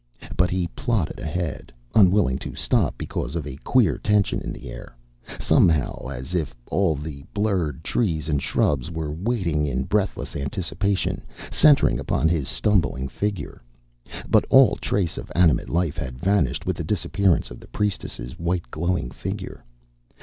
But he plodded ahead, unwilling to stop because of a queer tension in the air, somehow as if all the blurred trees and shrubs were waiting in breathless anticipation, centering upon his stumbling figure. But all trace of animate life had vanished with the disappearance of the priestess' white glowing figure.